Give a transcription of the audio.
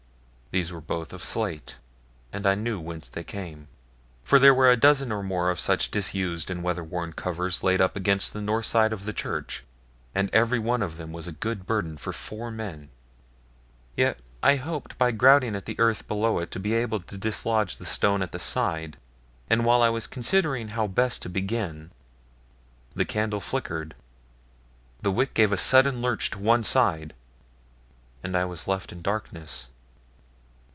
These were both of slate, and I knew whence they came; for there were a dozen or more of such disused and weather worn covers laid up against the north side of the church, and every one of them a good burden for four men. Yet I hoped by grouting at the earth below it to be able to dislodge the stone at the side; but while I was considering how best to begin, the candle flickered, the wick gave a sudden lurch to one side, and I was left in darkness.